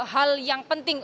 hal yang penting